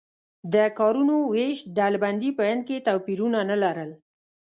د کارونو وېش ډلبندي په هند کې توپیرونه نه لرل.